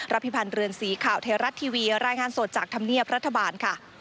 พิพันธ์เรือนสีข่าวไทยรัฐทีวีรายงานสดจากธรรมเนียบรัฐบาลค่ะ